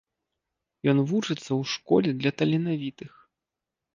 Ён вучыцца ў школе для таленавітых.